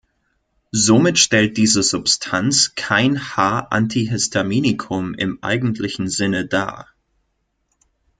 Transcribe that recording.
Somit stellt diese Substanz kein H-Antihistaminikum im eigentlichen Sinne dar.